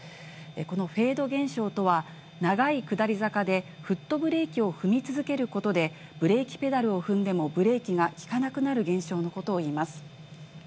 このフェード現象とは、長い下り坂で、フットブレーキを踏み続けることで、ブレーキペダルを踏んでもブレーキが利かなくなる現象のことをいいます。